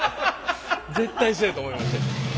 絶対そうやと思いました。